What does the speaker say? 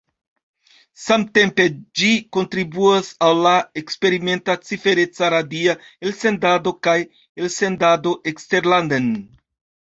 Samtempe ĝi kontribuas al la eksperimenta cifereca radia elsendado kaj elsendado eksterlanden.